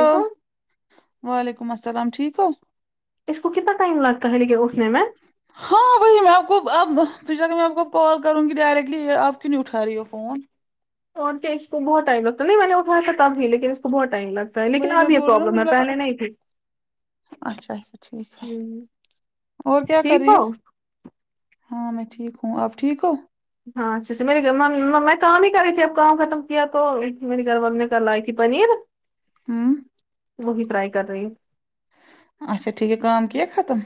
hello وعلیکم السلام ٹھیک ہو اس کو کتنا ٹائم لگتا ہے یہ اٹھنے میں ہاں وہی میں آپ کو اب تواہ میں آپ کو کال کروں گی ڈائریکٹلی آپ کیوں نہیں اٹھا رہی وہ فون اور کیا اس کو بہت ٹائم لگتا نہیں میں نے اٹھا تب بھی لیکن اس کو بہت ٹائم لگتا لیکن وہی اب میں یہ بول رہی ہوں پرابلم مجھے ہے لگا پہلے نہیں تھی اچھا اچھا ٹھیک ہے اور کیا کر رہی ہو ہاں میں ٹھیک ہوں آپ ٹھیک ہو ہاں اچھا سے میرے میں کام ہی کر رہی تھی اب کام ختم کیا تو میرے گھر وال نے لائی تھی پنیر ہوں وہی فرائی کر رہی ہ اچا ٹھیک ہے کام کیا ہے ختم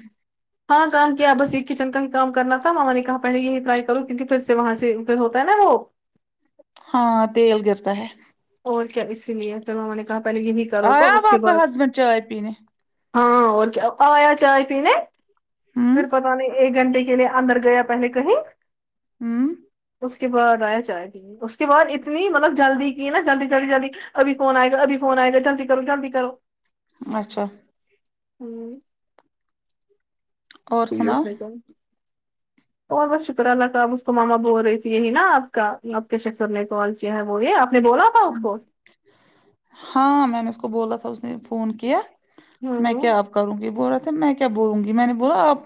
ہاں کام کیا بس ایک کچن کا ہی کام کرنا تھا ماما نے کہا پہلے یہی ٹرائی کروں کیکہ پھر سے وہاں سے ہوتا ہے نا وہ ہاں تیل گرتا ہے اور کیا اسی لئے پھر ماما نے کہا پہلے یہ بھی آیا آپ کا ہسبینڈ چائے پیننے ہاں اور کیا ایا چائے پینے ہوں پھر پت نہیں ایک گھنٹے کی کے لیے اندر گیا پہلے کہیں ہوں اس کے بعد ائے چائ اس کے بعد اتنی مطلب جلدی یہ نا جلدی جلدی جلدی ابھی فون آے گا اب فون آئے گا جلدی کر جلد کرو اچھا ہوں اور سناؤ [unintelligible] اور بت شکر اللہ اب اس کو ماما بول رہی تھی یہی نا آپ کا آپ کے شکر نے کال کیا ہے بولیے آپ نے بولا تھا اس کو ہاں میں نے اس کو بولا تھا اس نے فون کیا ہوں میں ہوں کیا کروں گی بول رہا تھا میں کیا بولوں گی میں نے بولا آپ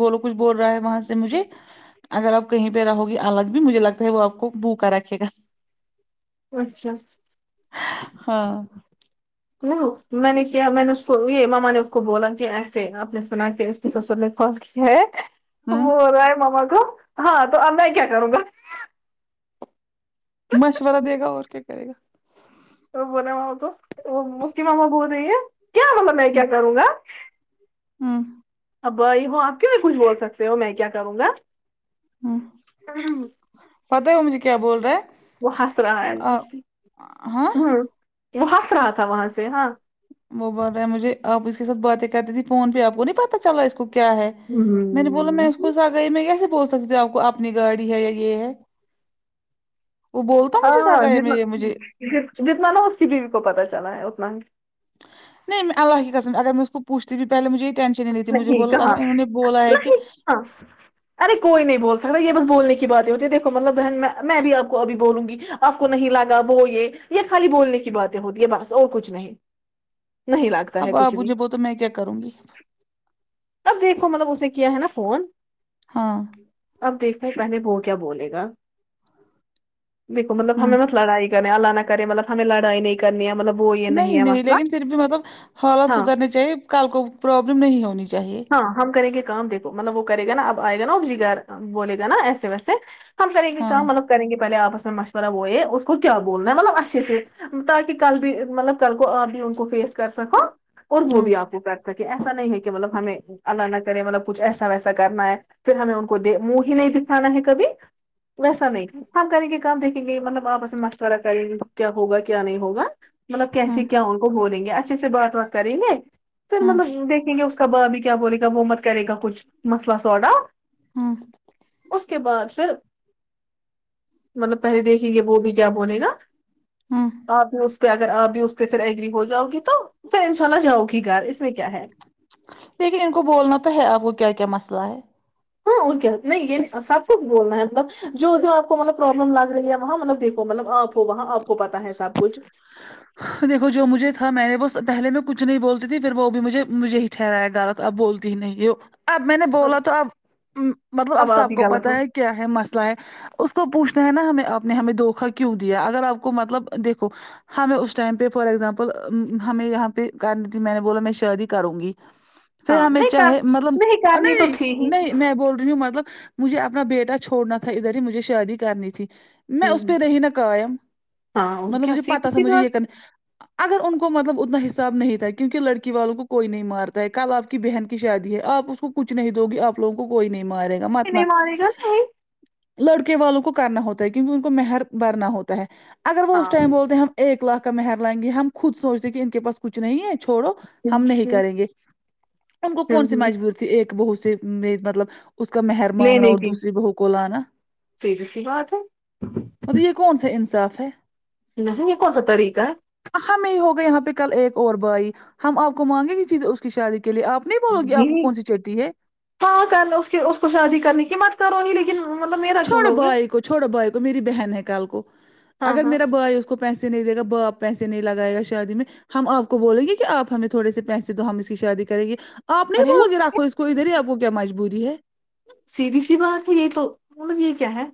بولو کچھ بول رہا ہے وہاں سے مجھے اگر آپ کہیں پہ رہو گی الگ بھی مجھے لگتا ہے وہ آپ کو بوکا رکھے گا اچھا ہاں میں نے کیا میں نے اس کو یہ ماما نے اس کو بولا کہ ایسے آپ نے سنا سسر نے کیا ہے تو ہوں وہ ہو رہا ہے ماما کو ہاں تو میں کیا کروں گا مشورہ دے گا اور کیا کرے گا بولے تو وہ اس کی ماما بول رہی ہیں کیا مطلب میں کیا کروں گا ہاں اب بھائی ہو آپ کیوں بھی کچھ بول سکتے ہو میں کیا کروں گا ہوں پتہ ہے وہ مجھے کیا بول رہا ہے وہ ہنس رہا ہے اصلی آ- ہاں وہ ہنس رہا تھا وہاں سے ہاں وہ بوررہا ہے مجھے آپ اس کے ساتھ باتیں کرتی تھی فون پہ آپ کو نہیں پتا چلا اس کو کیا ہے ہمم میں نے بولا میں اس کو سے آ گئی میں کیسے بول سکتی ہوںپ کو اپنی گاڑی ہے یا یہ ہے وہ بولتا مجھے ہاں سگائی میں جنا یہ مجھے جتنا نا اس کی بیوی کو پتا چلا ہے اتنا ہی نہیں میں اللہ کی قسم ہے اگر میں اس کو پوچتی بھی پہلے مجھے یہ ٹینشن ہی نہیں تھی مجھے بولا لگا انہوں نے بولا ہے کہ ہاں ارے کوئی نہیں بول سکتا یہ بس بولنے کی بات ہی ہوتی ہے دھو مطلب بہن میں میں بھی آ کو ابھی بولوں گی آپ کو نہیں لگا وہ یہ یہ خالی بولنے کی باتیں ہوتی ہے بس اور کچھ نہیں نہیں لگتا اب ہے آپ کچھ بھی مجھے بول تو میں کیا کروں گی تب دیکھو مطلب اس نے کیا ہے نا فون ہاں اب دیکھتے ہے پہلے وہ کیا بولے گا دیکھو مطلب ہم ہوں نے بہت لڑائی اللہ نہ کرے مطلب ہمیں لڑائی نہیں کرنی ہے مطلب وہی نہیں نہیں لیکن پھر بھی مطلب حالات ہاں سدھرنے چاہیے کال کو پرابلم نہیں ہونی چاہیے ہاں ہم کریں گے کام دیکھو مطلب وہ کرے گا نا اب آئے گا نا جگار بولے گا نا ایسے ویسے ہم کریں گے ہاں کام مطلب کریں گے پہلے آپس میں مشورہ وہ یہ اس کو کیا بولنا ہے مطلب اچھے سے تاکہ کل بھی مطلب کل کو آپ بھی ان کو فیس کر سکو اور وہ ہوں بھی آپ کو کر سکے ایسا نہیں ہے کہ مطلب ہمیں اللہ نہ کرے مطلب کچھ ایسا ویسا کرنا ہے پھر ہمیں ان کو دے منہ ہی نہیں دکھانا ہے کبھی ویسا نہیں ہاں کریں گے کام دیکھیں گے مطلب آپس میں مشورہ کریں گے کیا ہوگا کیا نہیں ہوگا مطلب کیسے ہوں کیا ان کو بولیں گے اچھے سے بات وات کریں گے پھر ہوں مطلب دیکھیں گے کب آبھی کیا بولے گا وہ مت کرے گا کچھ مسئلہ سوڈا ہوں اس کے بعد پھر مطلب پہلے دیکھیں گے وہ بھی کیا بولے گا ہوں بعد میں اس پہ اگر آپ بھی اس پہ پھر ایگری ہو جاؤ گی تو پھر انشاء اللہ جاؤ گی گھر اس میں کیا ہے لیکن ان کو بولنا تو ہے آپ کو کیا کیا مسئلہ ہے ہاں اور کیا نہیں یہ سب کچھ بولنا ہے مطلب جو بھی آپ کو مطلب پروبلم لگ رہی ہے وہاں مطلب دیکو مطلب آپ وہ وہاں آپ کو پتا ہے سب کچھ دیکھو جو مجھے تھا میں نے وہ پہلے میں کچھ نہیں بولتی تھی پھر وہ بھی مجھے مجھے ہی ٹھرایا غلط اب بولتی نہیں ہو اب میں نے بولا تو اب مطلب اب آپ سب ہی کو غلط ہو پتا ہے کیا ہے مسئلہ ہے اس کو پوچھنا ہے نا ہمیں آپ نے ہمیں دھوکا کیوں دیا اگر آپ کو مطلب دیکھو ہمیں اس ٹائم پہ فار ایگزامپل ہمیں یہاں پہ کرنی تھی میں نے بولا میں شادی کروں گی پھر ہاں ہمیں نہیں کر چاہے مطلب نہیں کرنی تو نہیں تھی ہی نہیں میں بول رہی ہوں مطلب مجھے اپنا بیٹا چھوڑنا تھا ادھر ہی مجھے شادی کرنی تھی میں اس ہ پہ رہی نہ قائم ہاں اور مطلب کیا مجھے سیدھی پتا تھا سی مجھے یہ بات کرنا اگر ان کو مطلب اتنا حساب نہیں تھا کیونکہ لڑکی والوں کو کوئی نہیں مارتا ہے کل آپ کی بہن کی شادی ہے آپ اس کو کچھ نہیں دو گی آپ لوگوں کو کوئی نہیں مارے گا متنا نہیں مارے گا نہیں لڑکے والوں کو کرنا ہوتا ہے کیونکہ ان کو مہر بھرنا ہوتا ہے اگر وہ اس ہاں ٹائم بولتے ہیں ہم ایک لاکھ کا مہر لائیں گے ہم خود سوچتے کہ ان کے پاس کچھ نہیں ہے چھوڑو ہم نہیں ہوں کریں گے ہم کو کون سی ہوں مجبور تھی ایک بہو سے میں مطلب اس کا مہر مانگنا لینے اور کی دوسری بہو کو لانا سیدھی سی بات ہے مطلب یہ کون سا انصاف ہے نہیں یہ کون سا طریقہ ہے ہم ہی ہوگا یہاں پہ کل ایک اور بھائی ہم آپ کو مانگے گی چیزیں اس کی شادی کے لیے آپ نہیں بولو گی جی آپ کو کون سی چٹی ہے ہاں کرلو اس اس کو شادی کرنے کی مت کرو ہی لیکن مطلب میرا کیوں چھوڑدو لوگے آںی کو چھوڑدو آئی کو میری بہن ہے کل کو ہاں اگر ہاں میرا بھائی اس کو پیسے نہیں دے گا باپ پیسے نہیں لگائے گا شادی میں ہم آپ کو بولیں گے کہ آپ ہمیں تھوڑے سے پیسے دو ہم اس کی شادی کریں گے آپ نہیں ارے بولو گے نا راکھو اس کو ادھر ہی آپ کو کیا مجبوری ہے سیدھی سی بات ہے یہ تو مطلب یہ کیا ہے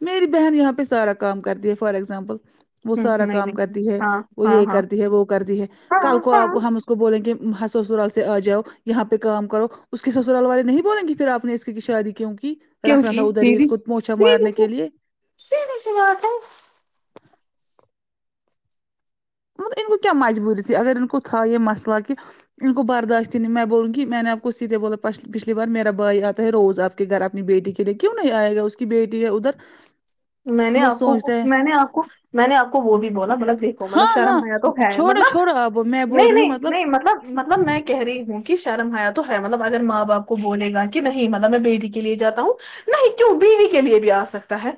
میری بہن یہاں پہ سارا کام کرتی ہے فار اگزامپل وہ ہ سارا نہیں کام نہیں کرتی ہے ہاں وہ ہاں یہ ہاں کرتی ہے وہ کرتی ہے ہاں کل کو ہاں آپ ہم کو بولیں کہ ہاں سسرال سے آ جاؤ یہاں پہ کام کرو اس کی سسرال والے نہیں بولیں گے پھر آپ نے اس کی شادی کیونکہ رکھنا تھا کیونکہ ادھر ہی اس سیدھی کو پوچھا سیدھی مارنے سی کے لیے سیدھی سی بات ہے مطلب ان کو کیا مجبوری تھی اگر ان کو تھا یہ مسئلہ کہ ان کو برداشت نہیں میں بولوں کہ میں نے آپ کو سیدھے بولا پچھلی بار میرا بھائی آتا ہے روز اب کے گھر اپنی بیٹی کے لیے کیوں نہیں آئے گا اس کی بیٹی ہے ادھر میں نے وہ آپ کو سوچتا ہے میں نے آپ کو میں نے آپ کو بولی بلا مطلب دیکھو ہاں مطلب ہاں شرم حیا تو ہے چھوڑو مطلب چھوڑو آپ وہ، میں بول نہیں رہی ہوں نہیں نہیں مطلب مطلب میں کہہ رہی ہوں کہ شرم حیا تو ہے مطلب اگر ماں باپ کو بولے گا کہ نہیں مطلب میں بیٹی کے لیے جاتا ہوں نہیں کیوں بیوی کے لیے بھی آ سکتا ہے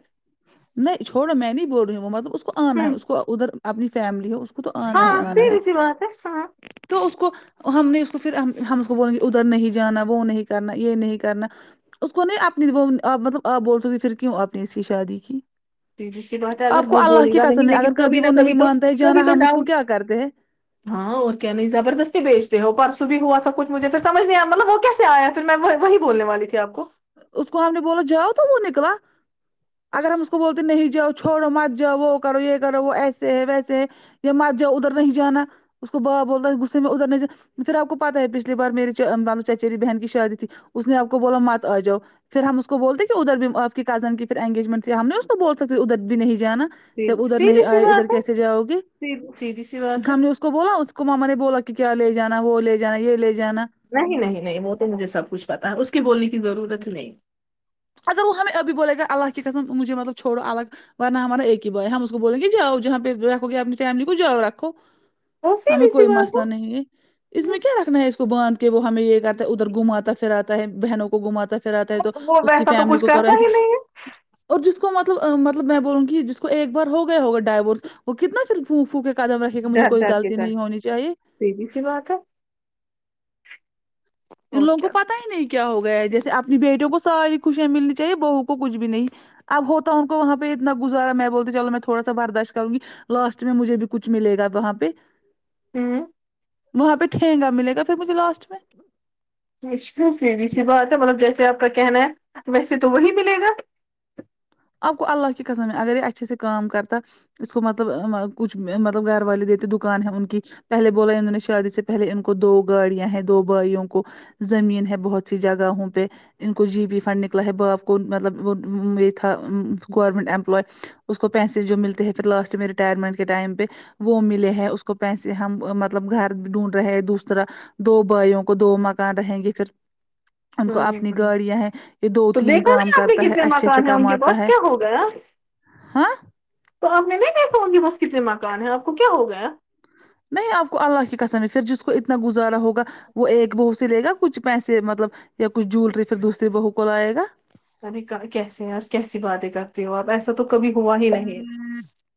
نہیں چھوڑو میں نہیں بول رہی ہوں وہ مطلب اس کو آنا ہ ہے اس کو ادھر اپنی فیملی ہے کو کو تو آنا ہی ہاں آنا ہے سیدھی سی بات ہے ہاں تو اس کو ہم نے اس کو پھر ہم اس کو بولیں گے ادھر نہیں جانا وہ نہیں کرنا یہ نہیں کرنا اس کو نہیں اپنی وہ آپ مطلب آپ بول تے پھر کیوں آپ نے اس کی شادی کی سیدھی سی بات ہے اگر آپ کو وہ اللہ بولے کی گا قسم نہیں ہے اگر لیکن کبھی نہ وہ نہیں کبھی تو مانتا ہے جانا کبھی تو ہم اس کو ڈاؤٹ کیا کرتے ہیں ہاں اور کیا نہیں زبردستی بیچتے ہو پرسوں بھی ہوا تھا کچھ مھے پھر سج نہیں آیا مطلب وہ کیا سے آیا پھر میں وہی بولنے والی تھی آپ کو اس کو ہم نے بولا جاؤ تو وہ نکلا اگر ہم کو بولتے نہیں جاؤ چھوڑو مت جاؤ وہ کرو یہ کرو وہ ایسے ہے ویسے ہے یا مت جاؤ ادھر نہیں جانا اس کو با بولتا غصے میں ادھر نہیں جا پھر آپ کو پتا ہے پچھلی بار میری چا مانو چچیری بہن کی شادی تھی اس نے آپ کو بولا مت آ جاؤ پھر ہم اس کو بولتے ہیں کہ ادھر بھی آپ کی کزن کی پھر انگیجمنٹ تھی ہم نے اس کو بول سکتے ادھر بھی نہیں جانا جب سیدھی ادھر نہیں سی آئے ادھر بات ہے کیسے جاؤ گی سیدھی سیدھی سی بات ہے ہم نے اس کو بولا اس کو ماما نے بولا کہ کیا لے جانا وہ لے جانا یہ لے جانا نہیں نہیں نہیں وہ تو مجھے سب کچھ پتا ہے اس کے بولنے کی ضرورت ہی نہیں اگر وہ ہمیں ابھی بولے گا اللہ کی قسم مجھے مطلب چوڑو الگ ورنہ ہمارا ہی بو ہے ہم اس کو بول گے جاؤ جہاں پہ رکھو گے اپنی فیملی کو جاؤ رکھو وہ ہمیں سیدھی سی کوئی بات مسلہ نہیں ہے اس ہے میں کیا رکھنا ہے اس کو باندھ کے وہ ہمیں یہ کرتا ہے ادھر گھماتا پھراتا ہے بہنوں کو گھماتا پھرآتا ہے تو وہ وہ اس کی ویسا تو فیملی کچھ کو کرو کرتا ایسے ہی نہیں ہے اور جس کو مطلب مطلب میں بولوں گی جس کو ایک بار ہو گیا ہوگا ڈائیورس وہ کتنا پھر پھک پھکے قدم رکھے گا مجھے ڈر کوئی ڈر کے غلطی نہیں چلے گا، ہونی چاہے سیدھی سی بات ہے ان اور لوگوں کو کیا پتا ہی نہیں کیا ہو گیا ہے جیسے اپنی بیٹیوں کو ساری خوشیاں ملنی چاہیے بہو کو کچھ بھی نہیں اب ہوتا ان کو وہاپہ اتنا گزارا میں بولتا چلو میں تھوڑا سا برداشت کروں گی لاسٹ میں مجھے بھی کچھ ملے گا وہاں پہ ہوں وہاں پہ ٹھنگا ملے گا پھر مجھے لاسٹ میں سیدھی سی بات ہے مطلب جیسے آپ کا کہنا ہے ویسے تو وہی ملے گا آپ کو اللہ کی قسم میں اگر یہ اچھے سے کام کرتا اس کو مطلب کچھ مطلب گھر والے دیتے دکان ہے ان کی پہلے بولا انہوں نے شادی سے پہلے ان کو دو گاڑیاں ہیں دو بھائیوں کو زمین ہے بہت سی جگہوں پہ ان کو جی پی فنڈ نکلا ہے باپ کو مطلب تھا گورنمنٹ امپلائے اس کو پیسے جو ملتے ہیں پھر لاسٹ میں ریٹائرمنٹ کے ٹائم پہ وہ ملے ہے اس کو پیسے ہم مطلب گھر ڈھونڈ رہے ہیں دوسرا دو بھائیوں کو دو مکان رہیں گے پھر ان کو اپنی ہوں گاڑیاں ہیں یہ دو تو تین دیکھا کام نہیں آپ نے کرتا ہے کتنے اچھے سے مکان ہیں ان کے کماتا پاس ہے کیا ہو گیا ہاں تو آپ نے نہیں دیکھا ان کے پاسس کتنے مکان ہیں آپ کو کیا ہو گیا نہیں آپ کو اللہ کی قسم ہے پھر جس کو اتنا گزارا ہوگا وہ ایک بہو سے لے گا کچھ پیسے مطلب یا کچھ جوولری پھر دوسرری بہو کو لائے گا کبھی کیس ہیں اور کیسی باتیں کرتی ہو آپ ایسا تو کبھی ہوا ہی نہیں [inaudible]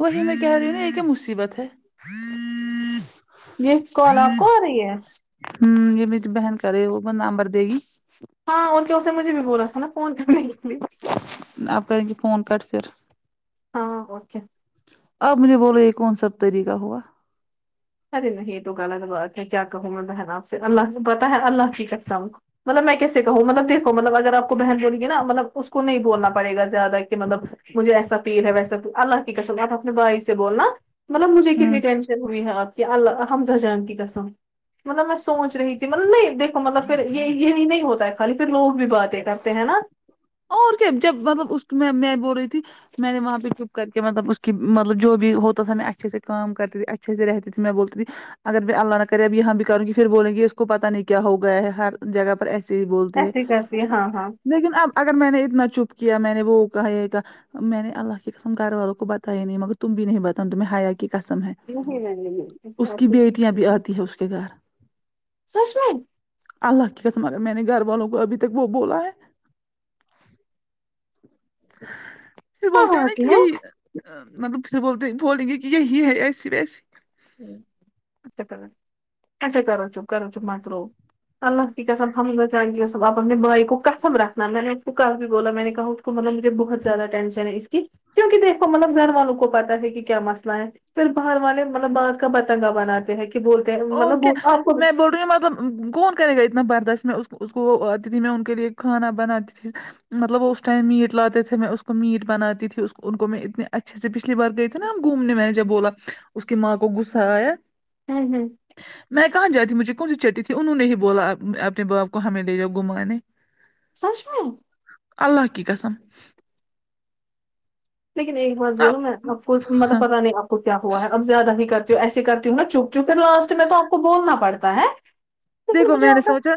وہی میں کہہ رہی ہ نا یہ کہ مصیبت ہے یہ کال آپ کو آ رہی ہے ہوں یہ می تو بہن کرے وہ نمبر دے گی ہاں اور تو اسے نے مجھے بھی بولا تھا نا فون کرنے کے لیے آپ کریں گے فون کٹ پھر ہاں اور کیا آپ مجھے بولو یہ کون سا طریقہ ہوا ارے نہیں یہ تو غلط بات ہے کیا کہوں میں بہن آپ سے اللہ سے پتا ہے اللہ کی قسم مطلب میں کیسے کہوں مطلب دیکھو مطلب اگر آپ کو بہن بولینگے نا مطلب کو نہیں بولنا پڑے گا زیادہ کہ مطلب مجھے ایسا فیل ہے وسا اللہ کی قسم اپنے بھائی سے بولنا مطلب مجھے کتنی ہوں ٹینشن ضروری ہے آپکی اللہ حمز جان کی قسم مطلب میں سوچ رہی تھی مطلب نہیں د مطلب پھر یہ یہی نہیں ہوتا ہے خالی پھر لوگ بھی باتیں کررتے ہیں نا اور کیا جب مطلب اس میں میں بول رہی تھی میں نے وہاں پہ چپ کر کے مطلب اس کی مطلب جو بھی ہوتا تھا میں اچھے سے کام کرتی تھی اچھے سے رہتی تھی میں بولتی تھی اگر میں اللہ نہ کرے اب یہاں بھی کروں گی پھر بولیں گے اس کو پتا نہیں کیا ہو گیا ہے ہر جگہ پر ایسے ہی بولتی ہے ایسے کرتی ہے ہاں ہاں لیکن اب اگر میں نے اتنا چپ کیا میں نے وہ کہا یہ کہا میں نے اللہ کی قسم گھر والوں کو بتایا ہی نہیں مگر تم بھی نہیں بتاؤ تمہیں ہیا کی قسم ہے نہیں نہیں میں اس کی بیٹیاں بھی نہیں آتی ہے اس کے گھر [unintelligible] سچ میں اللہ کی قسم میں نے گھر والوں کو ابھی تک وہ بولا ہے پھر بولتے ہیں نا کہ یہی مطلب پھر بول بول گے کہ یہ یہی ہے ایسی ویسی اچھا کرو اچھا کرو چپ کرو چپ مت رو اللہ کی قسم حمزہ جان کی قسم آپ اپنے بھائی کو قسم رکھنا میں نے اس کو کل بھی بولا میں نے کہا تو مطلب مجھے بہت زیادہ ٹینشن ہے اس کی کیونکہ دیکھو مطلب گھر والوں کو پتا ہے کہ کیا مسئلہ ہے پھر باہر والے مطلب بات کا پتنگا بناتے ہیں کہ بول اور کیا میں بول رہی ہوں مطلب کون کرے گا اتنا برداشت میں اس اس کو وہ تھی میں ا ان کے لیے کھانا بناتی تھی مطلب وہ اس ٹائم میٹ لاتے تھے میں اس کو میٹ بناتی تھی ان کو میں اتنے اچھا سے پچھلی بار گئے تھے نا ہم گھومنے میں نے جب بولا اس کی ماں کو غصہ آیا ہاں ہیں میں کہاں جاتی مجھے کون سی چٹی تھی انہوں نے ہی بولا اپنے باپ کو ہمیں لے جاؤ گھمانے سچ میں اللہ کی قسم لیکن ایک بات اب بولوں میں آپ کو مطلب ہاں پتا نہیں آپ کو کیا ہوا ہے اب زیادہ ہی کرتی ہوں ایسے کرتی ہوں نا چپ چونکہ لاسٹ میں تو آپ کو بولنا پڑتا ہے لیکن دیکھو مجھے میں نے آپ کا سوچا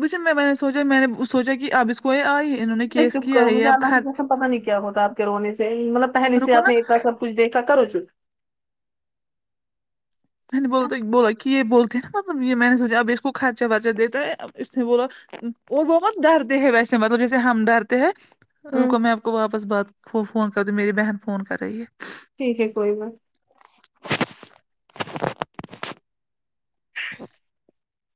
مجھے میں سوچا میں نے سوچا کہ اب اس کو یہ آئی انہوں نے اے کیس چپ کیا کرو ہے یہ مجھے اب اللہ خر کیسے پتا نہیں کیا ہوتا آپ کے رونے سے مطلب پہلے سے رکو آپ نا نے اتنا کا کچھ دیکھا کرو چپ میں نے بولا بولا کہ یہ بولتے ہیں نا مطلب یہ میں نے سوچا اب اس کو خرچہ ورچہ دیتا ہے اس نے بولا اور وہ بہت ڈرتے ہیں ویسے مطلب جیسے ہم ڈرتے ہیں ہوں رکو میں آپ کو واپس بات فون کر دوں میری بہن فون کر رہی ہے ٹھیک ہے کوئی بات [inaudible]